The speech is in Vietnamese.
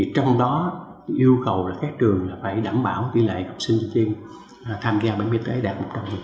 trong đó yêu cầu các trường phải đảm bảo tỷ lệ học sinh trên tham gia bảo hiểm y tế đạt một trăm linh